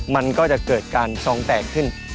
มันก็จะเกิดการซองแตกขึ้น